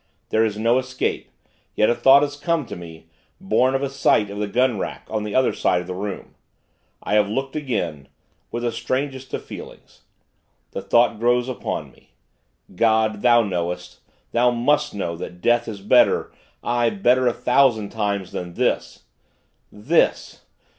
There is no escape. Yet, a thought has come to me, born of a sight of the gun rack, on the other side of the room. I have looked again with the strangest of feelings. The thought grows upon me. God, Thou knowest, Thou must know, that death is better, aye, better a thousand times than This. This!